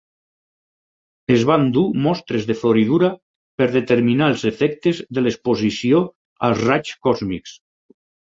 Es van dur mostres de floridura per determinar els efectes de l'exposició als raigs còsmics.